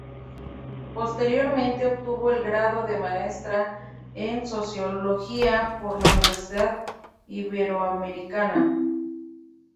Posteriormente, obtuvo el grado de maestra en Sociología por la Universidad Iberoamericana.